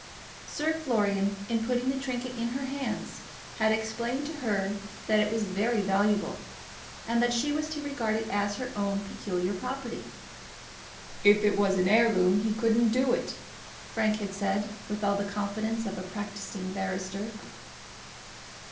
Sir Florian, in putting the trinket into her hands, had explained to her that it was very valuable, and that she was to regard it as her own peculiar property. "If it was an heirloom he couldn't do it," Frank had said, with all the confidence of a practising barrister.